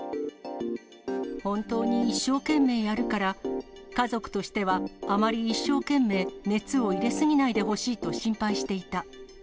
本当に一生懸命やるから、家族としてはあまり一生懸命熱を入れ過ぎないでほしいと心配していた。